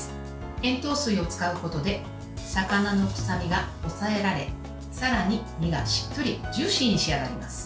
塩糖水を使うことで魚の臭みが抑えられさらに身がしっかりジューシーに仕上がります。